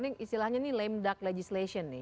ini istilahnya ini lame duck legislation nih